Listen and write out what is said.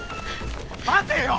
待てよ！